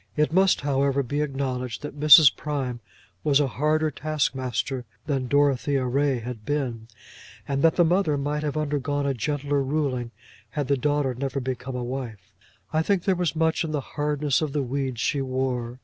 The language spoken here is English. It must, however, be acknowledged that Mrs. Prime was a harder taskmaster than Dorothea Ray had been, and that the mother might have undergone a gentler ruling had the daughter never become a wife. I think there was much in the hardness of the weeds she wore.